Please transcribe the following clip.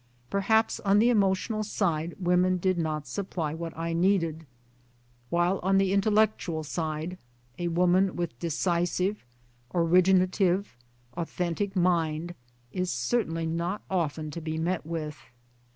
Perhaps on the emotional side women did not supply what I needed 1 ; while on the intellectual side a woman with decisive, originative, authentic mind is certainly not often to be met with.